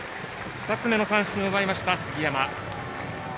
２つ目の三振を奪いました、杉山。